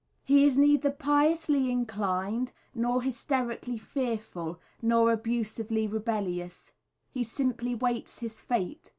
He is neither piously inclined, nor hysterically fearful, nor abusively rebellious he simply waits his fate.